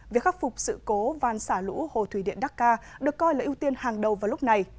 việc khắc phục sự cố van xả lũ hồ thủy điện đắc ca được coi là ưu tiên hàng đầu vào lúc này